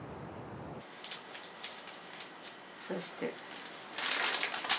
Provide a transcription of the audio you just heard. そして。